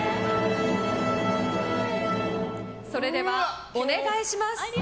それでは、お願いします。